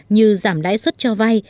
như giảm lãi suất cho vay